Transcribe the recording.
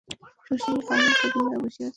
শশী হাল ধরিয়া বসিয়াছিল।